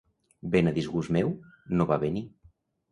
Ben a disgust meu, no va venir.